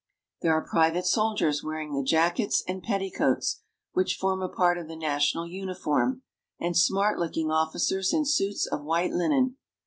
There are private soldiers wearing the jackets and petticoats, which form a part of the national uniform, and IN MODERN GREECE. 389 smart looking officers in suits of white linen.